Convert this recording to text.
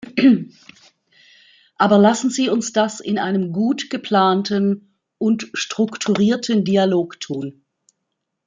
Aber lassen Sie uns das in einem gut geplanten und strukturierten Dialog tun.